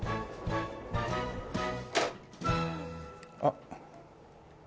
あっ。